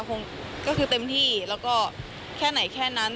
คงก็คือเต็มที่แล้วก็แค่ไหนแค่นั้น